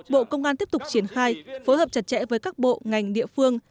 bộ công an tiếp tục triển khai phối hợp chặt chẽ với các bộ ngành địa phương